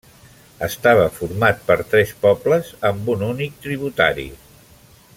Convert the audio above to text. Estava format per tres pobles amb un únic tributari.